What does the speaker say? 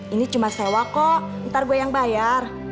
ini cuma sewa kok ntar gue yang bayar